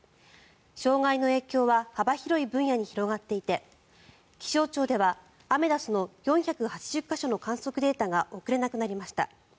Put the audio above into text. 障害の影響は幅広い分野に広がっていて気象庁ではアメダスの４８０か所の観測データが送れなくなりました。